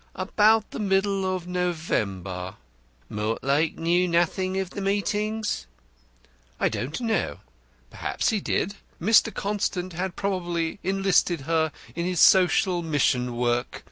"About the middle of November." "Mortlake knew nothing of the meetings?" "I don't know. Perhaps he did. Mr. Constant had probably enlisted her in his social mission work.